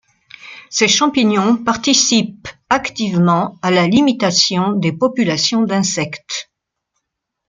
Ces champignons participent activement à la limitation des populations d'insectes.